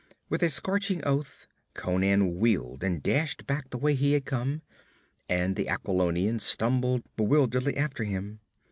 With a scorching oath Conan wheeled and dashed back the way he had come, and the Aquilonian stumbled bewilderedly after him.